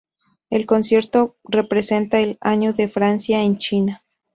El concierto representa el "Año de Francia" en China.